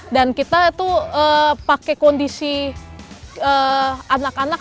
dan kita pakai kondisi anak anak